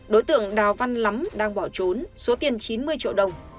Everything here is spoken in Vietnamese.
đối tượng đào văn lắm đang bỏ trốn số tiền chín mươi triệu đồng